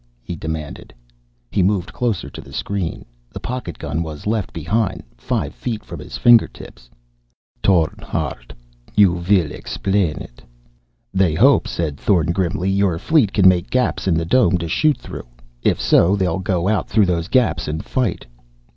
he demanded. He moved closer to the screen. The pocket gun was left behind, five feet from his finger tips. "Thorn Hardt, you will explain it!" "They hope," said Thorn grimly, "your fleet can make gaps in the dome to shoot through. If so, they'll go out through those gaps and fight."